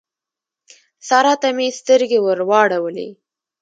سارا ته مې سترګې ور واړولې.